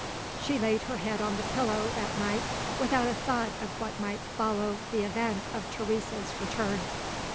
She laid her head on the pillow that night, without a thought of what might follow the event of Teresa's return.